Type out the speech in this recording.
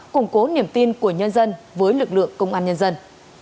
củng cố niềm tin của nhân dân với lực lượng công an nhân dân